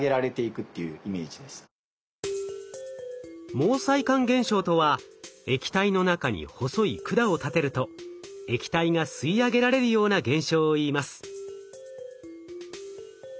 毛細管現象とは液体の中に細い管を立てると液体が吸い上げられるような現象をいいます。